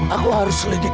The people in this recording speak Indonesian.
aku harus selidiki firman